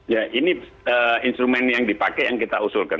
ya ini instrumen yang dipakai yang kita usulkan